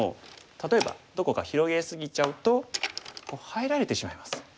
例えばどこか広げ過ぎちゃうと入られてしまいます。